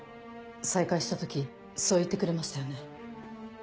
再会した時そう言ってくれましたよね。